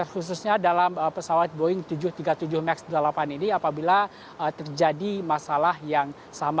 khususnya dalam pesawat boeing tujuh ratus tiga puluh tujuh max delapan ini apabila terjadi masalah yang sama